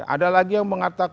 ada lagi yang mengatakan